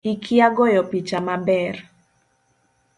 Ikia goyo picha maber